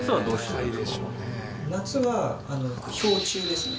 夏は氷柱ですね。